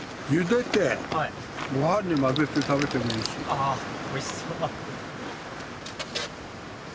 ああおいしそう！